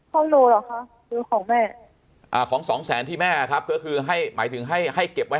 ของแม่ของสองแสนที่แม่ครับก็คือให้หมายถึงให้เก็บไว้